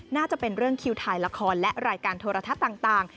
น่าจะเป็นเรื่องคิวถ่ายละครและรายการโทรทัศน์ต่าง